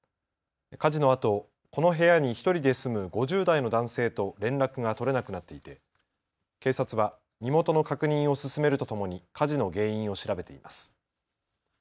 火事のあと、この部屋に１人で住む５０代の男性と連絡が取れなくなっていて警察は身元の確認を進めるとともに火事の原因を調べています。